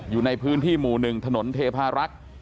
อยู่ในพื้นที่หมู่๑ถนนเทพารักษ์